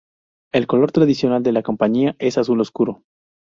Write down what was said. El color tradicional de la compañía es el Azul Oscuro.